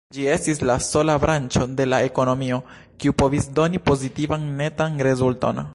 Ĝi estis la sola branĉo de la ekonomio, kiu povis doni pozitivan netan rezulton.